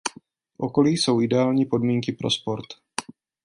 V okolí jsou ideální podmínky pro sport.